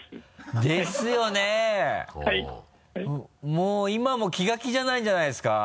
もう今も気が気じゃないんじゃないですか？